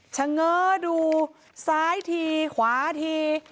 เง้อดูซ้ายทีขวาที